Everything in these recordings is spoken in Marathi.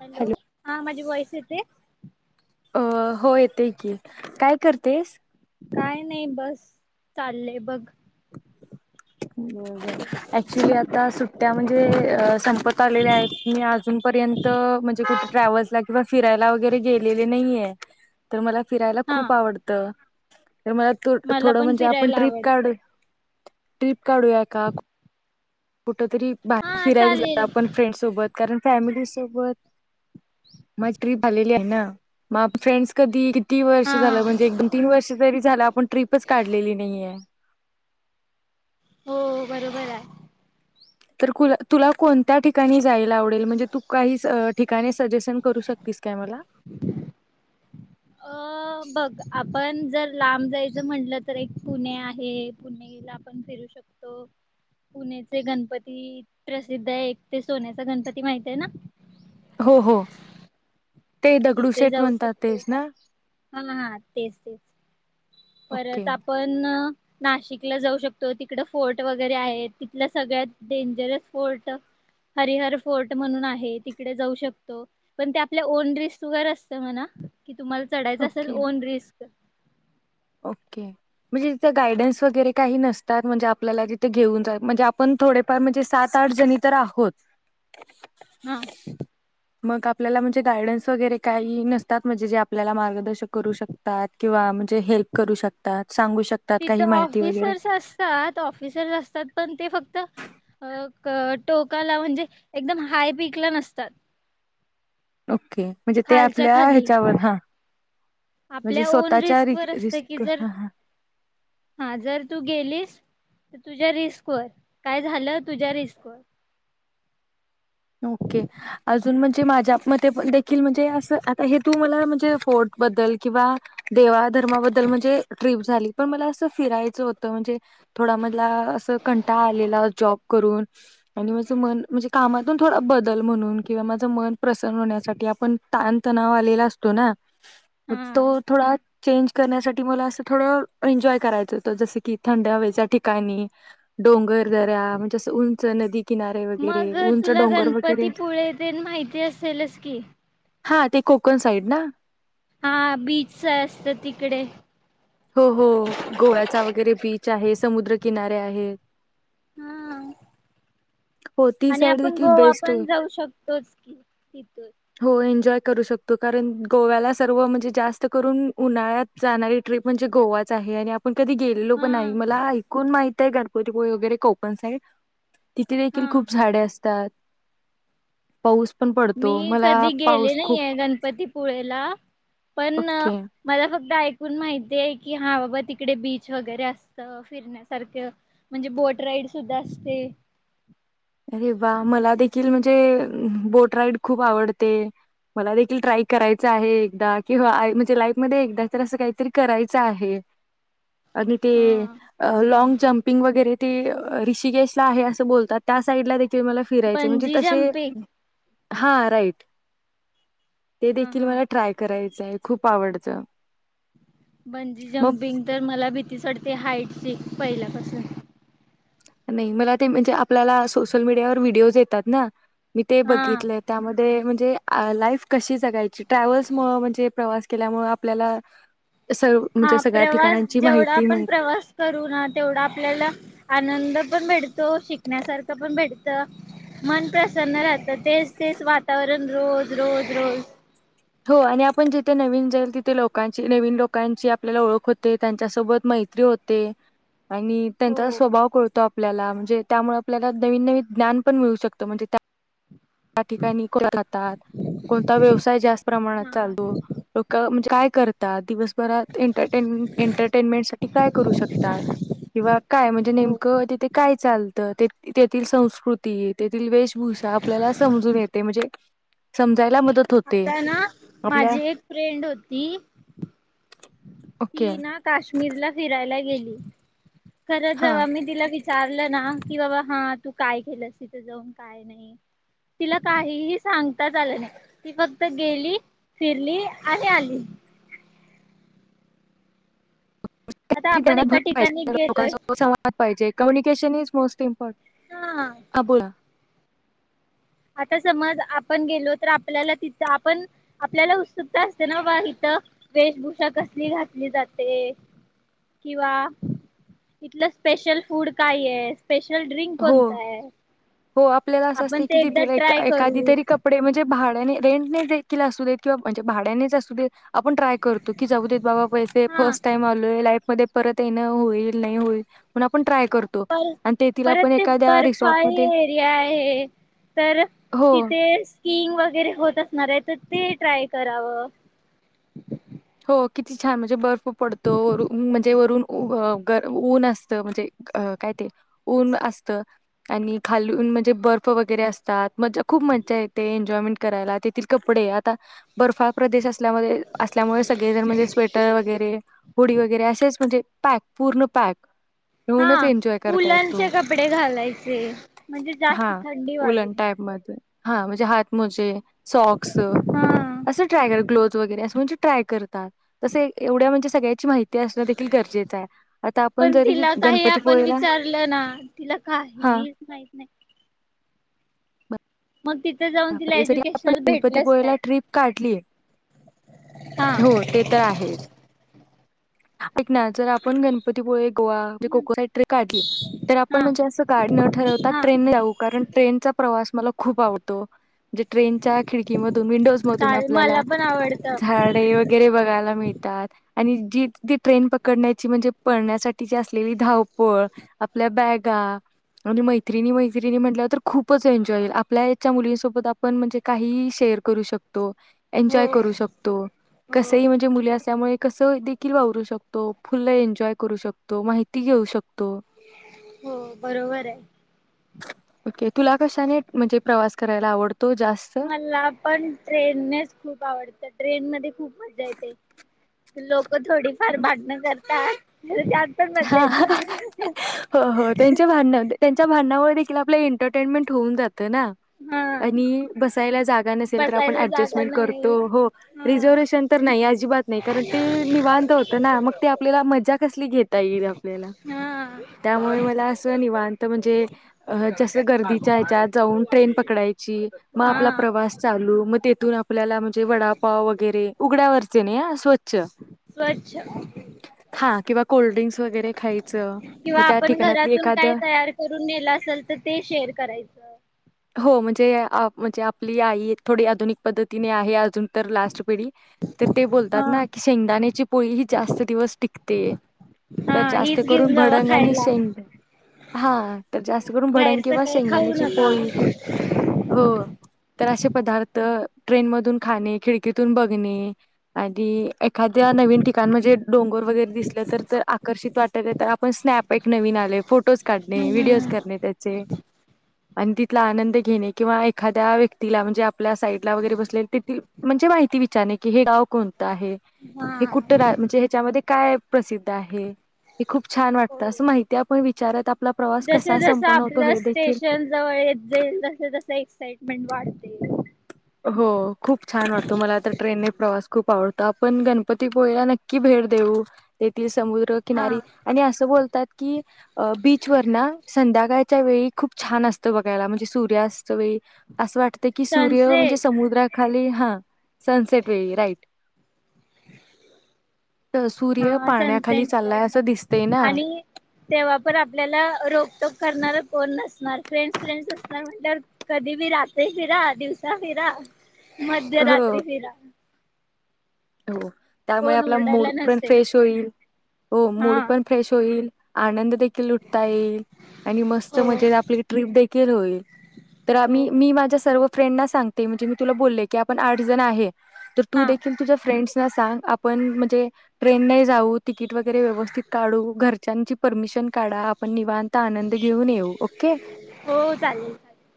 हॅलो हा माझी व्हॉईसं तिथे अ हो येतय की काय करतेस काय नाई बस चाललंय बघ बर ऍक्च्युली आता सुट्ट्या म्हणजे अ संपत आलेल्या आहेत मी अजूनपर्यंत म्हणजे कुठे ट्रॅव्हल्सला किंवा फिरायला वगैरे गेलेले नाहीइये तर मला फिरायला हा खूप आवडतं तर मला थो मला थोडं पण म्हणजे आपण फिरायला ट्रीप आवडतं काढू ट्रिप काढूया का कुठ तरी बाहेर हा फिरायला जाऊया चालेल आपण फ्रेंड्सोबत कारण फॅमिलीसोबत माझी ट्रीप झालेली आहे अ-म फ्रेंड्स कधी तीन वर्ष हा झालं म्हणजे एक दोन तीन वर्ष तरी झालं आपण ट्रीपच काढलेली नाहीये हो बरोबर हायं तर कुला तुला कोणत्या ठिकाणी जायला आवडेल म्हणजे तू काही अ ठिकाणी सजेशन करू शकतीस काय मला अ-अ बघ आपण जर लांब जायचं म्हटलं तर एक पुणे आहे पुणेला आपण फिरू शकतो पुणेचे गणपती प्रसिद्ध हए एक ते सोन्याचा गणपती माहिताय ना हो हो ते दगडू तिथे शेठ जाऊ म्हणतात शकतो तेच ना हा हा तेच तेच परत ओके, आपण नाशिकला जाऊ शकतो तिकड फोर्ट वगैरे आहे तिथल्या सगळ्यात डेंजरस फोर्ट हरिहर फोर्ट म्हणून आहे तिकडे जाऊ शकतो पण ते आपल्या ओन रिस् असत म्हणा की तुम्हाला चढायचं असेल ओके, ओन रिस्क [inaudible] ओके म्हणजे तिथे गायडन्स वगैरे काही नसतात म्हणजे आपल्याला तिथे घेऊन जा म्हणजे आपण थोडेफार म्हणजे सात आठ जणी तर आहोत हा मग आपल्याला म्हणजे गायडन्स वगैरे काही नसतात म्हणजे जे आपल्याला मार्ग करू शकतात किंवा म्हणजे हेल्प करू शकतात, सांगू शकतात काही तिथं माहिती वगैरे? ऑफिसर्स असतात ऑफिसर्स असतात पण ते फक्त अ अ टोकाला म्हणजे एकदम हाय पीकला नसतात ओ - खालच्या खाली म्हणजे आपल्या ओन स्वतःच्या रि रिस्क वर असत की रिस्क जर हां, हां. हा जर तू गेलीस तर तुझ्या रिस्क वर काय झालं तुझ्या रिस्क वर ओके अजू तून म्हणजे माझ्या मते पण देखील म्हणजे असं आता हे तू मला म्हणजे फोर्ट बद्दल किंवा देवाधर्माबद्दल म्हणजे ट्रिप झाली पण मला असं फिरायचं होतं म्हणजे थोडा मधला असं कंटाळा आलेला जॉब करून आणि माझ मन म्हणजे कामात थोडा बदल म्हणून किंवा माझं मन प्रसन्न होण्यासाठी आपण ताणतणाव आलेला असतो ना? हा तो थोडा चेंज करण्यासाठी मला असं थोडं एन्जॉय करायचं होतं जसं की थंड हवेच्या ठिकाणी डोंगरदऱ्या म्हणजे असं उंच नदी किनारे वगैरे उन गणपती पुुळे तेण माहिती असेलस की? हा ते कोकण साईड ना? हा बीचच असत तिकडे हो, हो. गोव्याचा वगैरे बीच आहे, समुद्रकिनारे आहेत. हा हो, ती आणि साईड आपण देखील बो बेस्ट आपण होईल. जाऊ शकतोच की तिथून. हो, एन्जॉय करू कारण गोव्याला सर्व म्हणजे जास्त करून उन्हाळ्यात जाणारी ट्रीप म्हणजे गोवाच आहे आणि आपण कधी गेलेलो पण नाही हा मला ऐकून माहित ते गणपतीपुळे वगैरे कोकण साईड तिथे देेखील हा. खूप झाडे असतात. पाऊस पण मी पडतो. मला कधी गेले पाऊस नाही खूप आहे गणपतीपुळेला पण ओके. मला फक्त ऐक ऐकून माहितीय की हा बाबा तिकडे बीच वगैरे असत फिरण्यासारखे म्हणजे बोट राईड सुद्धा असते. अरे वा मला देखील ते बोट राईड खूप आवडते मला देखिल ट्राय करायच आहे एकदा किवा म्हणजे लाईफमध्ये एकदा अस काहीतरी करायचं आहे. आणि ते हा लाँग जंपिंग वगैरे ती ऋषिकेशला आहे असं बोलतात. त्या साइड ला ते मला फिरायचे म्हणजे बंजी तसे जम्पिंग हा राईट ते हा देखील हा मला ट्राय कराय य खूप आवडतं. पंजी मग जंपिंग तर मला भीतीच वाटते हाईट पहिल्यापासून नाही मला ते म्हणजे आपल्याला सोशल मीडियावर व्हिडिओज येतात ना? मी ते हा बघितलंय त्यामध्य म्हणजे लाईफ कशी जगायची ट्रॅव्हल्स मुळ म्हणजे प्रवास केल्यामुळे आपल्याला सर्व हा म्हणजे सगळ्या प्रवास ठिकाणांची जेवढा माहिती आपण मिळते प्रवास करू ना तेवढा आपल्याला आनंद पण भेटतो शिकण्यासारखं पण भेटत मन प्रसन्न राह तर तेच तेच वातावरण रोज रोज रोज हो आणि आपण जिथे नवीन जाईल तिथे लोकांची नवीन लोकांची आपल्याला ओळख होते. त्यांच्यासोबत मैत्री होते. आणि त्यांचा स्वभाव कळतो आप आपल्याला म्हणजे त्यामुळे आपल्याला नवीन नवीन ज्ञान पण मिळू शकतं म्हणजे त्या त्या ठिकाणी कोण राातात, कोणता व्यवसाय जास्त प्रमाणात हा चालतो. लोक म्हणजे काय करत धा दिवस परत एंटरटेनमेंट, एंटरटेनमेंट साठी काय करू शकतात किंवा काय म्हणजे नेमकं तिथे काय चाल तेथील संस्कृती तेथील वेशभूषा आपल्याला समजून येते म्हणजे समजायला मदत होते आता ना आपल्या माझी एक फ्रेंड होती. ओके ती ना काश्मीरला फिरायला गेली. ह खरंच हा जवा मी तीला वी विचारलं ना कि बाबा हा तू काय केलंस तिथ जाऊन काय नाही तिला काहीही सांगताच आलं नाही. ती फक्त गेली, फिरली, आणि आली. आता तितकी आपण ज्ञानात भर एका पाहिजे. ठिकाणी त्या गेलोय दोघांचा संवाद पाहिजेत. कम्युिकशन इज म मोस्टली हा ह बोला आता समज आपण गेलो तर आपल्याला तिथ आपण आपल्याला उत्सुकता असते ना बा इथ वेशभूषा कसली घातली जाते किंवा इथलं स्पेशल फूड काय आहे. स्पेशल ड्रिंक हो कोणता हाय. हो आपल्याला असं असते की तिथे एखादी करू तरी कपडे म्हणजे भाड्याने रेंटने देखील असू देत किंवा म्हणजे भाड्यानेच असू दे. आपण ट्राय करतो की जाऊ देत बाबा पैसे हा फर्स्ट टाईम आलोय लाईफमध्ये परत येणं होईल नाही होईल. पण आपण ट्राय करतो आणि ते तिला एखाद्या बर्फळ रिसॉर्टमध्ये एरिया आहे तर हो. तिथे सिईंग वगैरे होत असणार आहे तर ते ट्राय करावं. हो किती छान म्हणजे बर्फ पडतं वर म्हणजे वरून ऊन असतं म्हणजे काय ते ऊन असत आणि खालून म्हणजे बर्फ वगैरे असतात म खूप मजा येते एन्जॉयमेंट करायला तेथील कपडे आता बर्फाळ प्रदेश असल्यामध्ये असमुळे सगळेजण म्हणजे स्वेटर वगैरे हुडी वगैरे असेच म्हणजे पॅक पूर्ण पॅक हा घेऊनच एन्जॉय करता उलनचे येतो. कपडे घालायचे म्हणजे जास्त हा थंडी उलन वाजून टाईपमध्ये हा म्हणझे हात मोजे सॉक्स हा असं ट्राय कर ग्लोथ वगैरे असं म्हणजे ट्राय करतात- तस एवढ्या म्हणजे ची माहिती असणं दे गरजेचं आहे आता आपण पण जरी तिला काही आपण गणपतीपुळे ला विचारलं ना तिला हा काहीच माहित नाही. मग तिथे जाऊन तिला बापरे जरी आपण एज्युकेशनल भेटलंच काय? गणपतीपुळेला ट्रिप काढलीय हा हो ते तर आहेच. ऐक ना जर आपण गणपतीपुळे गोवा मी हम्म कोकना ट्र काढली तर आपण हा म्हणजे असं गाडी न ठरवता हा ट्रेनने जाऊ कारण ट्रेनचा प्रवास मला खूप आवडतो. म्हणजे ट्रेनच्या खिडकीमधून विंडोज मधून चालेल आपल्याला मला पण आवडतं. झाडे वगैरे बघायला मिळतात. आणि जी ती ट्रेन पकडण्याची म्हणजे पळण्यासाठीची असलेली धावपळ आपल्या बॅगा आणि मैत्रिणी, मैत्रिणी म्हणल्या नंतर तर खूपच एन्जॉय आपल्या एज याच्या मुलींसोबत आपण म्हणजे काही शेअर करू शकतो. एन्जॉय हो करू शकतो कस हो ही म्हणजे मुली असल्यामुळे कसो दि देखील वावरू शकतो, फुल एन्जॉय करू शकतो, माहिती घेऊ शकतो. हो बरोबर आहे. ओके तुला कशाने म्हणजे प्रवास करायला आवडत मला पण ट्रेननेच खूप आवडतं ट्रेन मध्ये खूप मज्जायेते लोक थोडीफार भाडणं करतात त्यात पण मजा हा येते. हो हो त्यांचे भांडण होते त्यांच्या भांनामुळे देखील आपल्या एंटरटेनमेंट होऊन जात होत ना हा बसायला जागा नसेल तर आपण बसायला जागा नसेल तर आपण बसायला जागा ऍडजस्टमेंट नाही. करतो हो हा रिझर्वेशन तर नाही अजिबात नाही कारण ते निवांत होत ना मग ते आपल्याला मजा कसली घेत येईल आपल्याला त्यामुळे मला अस निवांत म्हणजे जस गर्दीच्या ह्याचात जाऊन ट्रेन पकडायची मग आपला हा प्रवास चालू मग तेथून आपल्याला म्हणजे वडापाव वगैरे उघडं वरते स्वच्छ स्वच्छ खा किंवा कोल्ड्रिंक्स वैगरे खायच किंवा मग त्या आपण ठिकाणातली घरातून एखाद काय तयार करून नेलं असेल तर ते शेअर करायचं. हो म्हणजे आ म्हणजे आपली आई एक थोडी आधुनिक पद्धतीने आहे अजून तर लास्ट पिढी तर ते बोलतात हा ना की शेंगदाण्याची पोळी ही जास्त दिवस टिकते. तर हा जास्त हीच घेऊन करून जावा भडंग आणि खायला शेंगदा हा तर जास्त करून भडंग बाहेरच किंवा काही खाऊ शेंगदाण्याची नका. पोळी हो तर असे पदार्थ ट्रेन मधून खाणे खिडकीतून बघणे आणि एखाद्या नवीन ठिकाण म्हणजे डोंगर वगैरे दिसल तर, आकर्षित वाटलं तर आपण स्नॅप एक नवीन आले. फोटोज काढणे, व्हिडिओज हम्म करणे त्याचे, आणि तिथला आनंद घेणे किंवा एखाद्या व्यक्तीला म्हणजे आपल्या साईडला वगैरे बसले तेथील म्हणजे माहिती विचारणे की हे गाव कोणतं आहे. हे हा. कुठ्ट रा म्हणजे ह्याच्यामध्ये, काय प्रसिद्ध? आहे ते खूप छान वाटत, अस माहिती आपण विचारत प्रवास जस कसा जस संपन्न होतो आपलं हे देखील स्टेशन जवळ येत जाईल तस तस एक्साइटमेंट वाढत. हो खूप छान वाटतो मला तर ट्रेनने प्रवास खूप आवडतो. आपण गणपतीपुळेला नक्की भेट देऊ. [unintelligible] समुद्र हा किनारी आणि अस बोलतात की, बीचवर ना संध्याकाळी, च्या वेळी खूप छान असतं बघायला म्हणजे सूर्यास्त च्या वेळी अस वाटतं की, सुर्य ह म्हणजे सनसेट समुद्रात खाली हा सनसेट वेळी राइट. हा सनसेट पॉइंट दिसतंय बघायला ना [unintelligible] आणि तेव्हा पण आपल्याला रोखटोक करणार कोण नसणार. फ्रेंडस -फ्रेंड्स असणार म्हटल्यावर कधी बी रात्री फिरा, दिवसा फिरा. हो मध्यरात्री फिरा. हो [inaudible] त्यामुळे कोण आपला ओरडायला मूड पण नसेल फ्रेश होईल. हो मूड हा पण फ्रेश होईल. आनंद दे लुटता येईल आणि मस्त हो मजेत आपली ट्रिप देखील होईल. तर हो आम्ही मी माज्या सर्व [unintelligible] फ्रेंडना सांगते, म्हणजे मी तुला बोललेय की, आपण आठ जण आहे. तर तू हा देखील तुझ्या फ्रेंड्सना सांग. आपण म्हणजे ट्रेनने जाऊ, तिकीट वैगेरे व्यवस्थित काढू, घरच्याची परमिशन ट्रेन काढा. आपण निवांत आनंद घेऊन येऊ. ओके. हो चालेल चालेल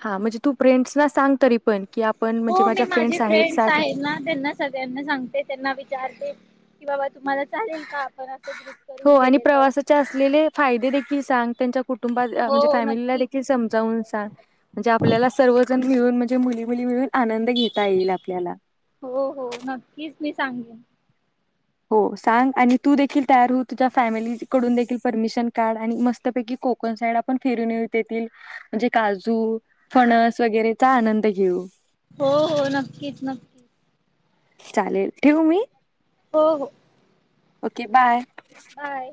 हा म्हणजे तू फ्रेंडसना सांग तरी पण की आप पण म्हणजे हो मी माझ्या माझे फ्रेंड्स आहेत. सात आहेत ना त्यांना सगळ्यांना सांगते. त्यांना विचारते की, बाबा तुम्हाला चालेल का आपण असं ग्रुप [inaudible] हो करून आणि गेलेलं प्रवासाचे असलेले फायदे देखील सांग. त्यांच्या कुटुंबा म्हणजे हो फॅमिलीला नक्कीच देखील समजावून सांग. म्हणजे आपल्याला सर्वजण मिळून म्हणजे ते मुली - मुली मिळून, आनंद घेता येईल आपल्याला हो हो नक्कीच मी सांगिन हो सांग आणि तू देखील तयार हो तुझ्या फॅमिली कडून देखील परमिशन काढ आणि मस्तपैकी कोकण साईड आपण फिरून येऊ तेतील म्हणजे काजू फणस वगैरेचा आनंद घेऊ. हो हो नक्कीच नक्कीच चालेल ठेवू मी हो हो. Okay bye. बाय.